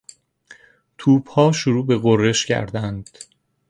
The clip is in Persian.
توپها شروع به غرش کردند.